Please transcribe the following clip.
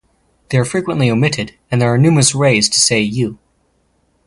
They are frequently omitted, and there are numerous ways to say "you".